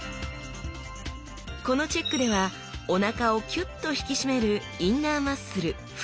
このチェックではおなかをキュッと引き締めるインナーマッスル腹